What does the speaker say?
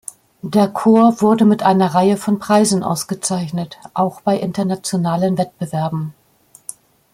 Der Chor wurde mit einer Reihe von Preisen ausgezeichnet, auch bei internationalen Wettbewerben.